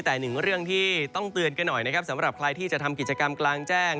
แต่หนึ่งเรื่องที่ต้องเตือนกันหน่อยนะครับสำหรับใครที่จะทำกิจกรรมกลางแจ้ง